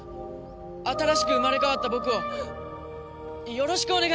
新しく生まれ変わった僕をよろしくお願いします！